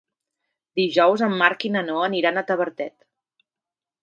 Dijous en Marc i na Noa aniran a Tavertet.